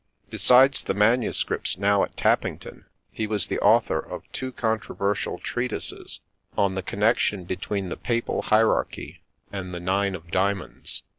Besides the manuscripts now at Tappington, he was the author of two controversial treatises on the connection between the Papal Hierarchy and the Nine of Diamonds.